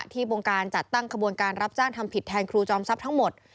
บงการจัดตั้งขบวนการรับจ้างทำผิดแทนครูจอมทรัพย์ทั้งหมด